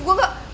gak ada apa apa